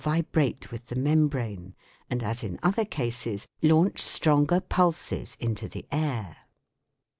vibrate with the membrane and as in other cases launch stronger pulses into the air.